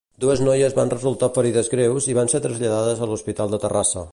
Dues noies van resultar ferides greus i van ser traslladades a l'Hospital de Terrassa.